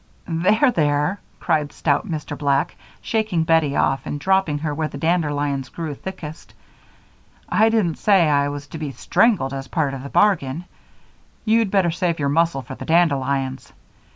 "There, there!" cried stout Mr. Black, shaking Bettie off and dropping her where the dandelions grew thickest. "I didn't say I was to be strangled as part of the bargain. You'd better save your muscle for the dandelions.